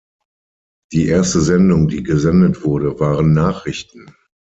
Die erste Sendung die gesendet wurde, waren Nachrichten.